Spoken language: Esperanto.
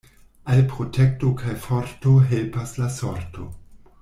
Al protekto kaj forto helpas la sorto.